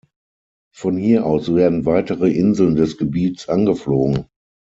Von hier aus werden weitere Inseln des Gebiets angeflogen.